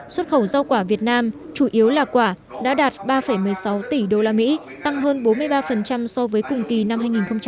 xuất khẩu rau quả việt nam chủ yếu là quả đã đạt ba một mươi sáu tỷ usd tăng hơn bốn mươi ba so với cùng kỳ năm hai nghìn một mươi tám